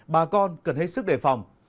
bà con cần hết sức đề phòng